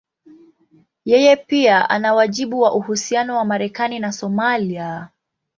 Yeye pia ana wajibu kwa uhusiano wa Marekani na Somalia.